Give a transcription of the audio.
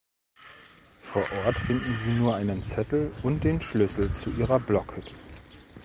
Vor Ort finden sie nur einen Zettel und den Schlüssel zu ihrer Blockhütte.